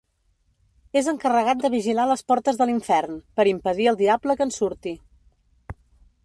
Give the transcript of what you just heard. És encarregat de vigilar les portes de l'Infern, per impedir al Diable que en surti.